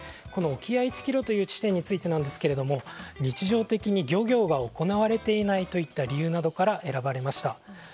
この沖合１ｋｍという地点についてなんですけれども日常的に漁業が行われていないといった理由から選ばれました。